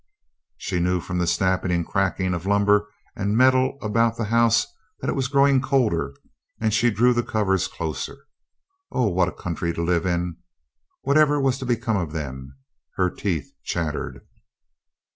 She knew from the snapping and cracking of lumber and metal about the house that it was growing colder, and she drew the covers closer. Oh, what a country to live in! Whatever was to become of them! Her teeth chattered.